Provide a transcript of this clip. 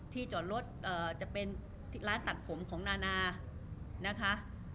ที่จอดรถจะเป็นร้านตัดผมของนานะคะ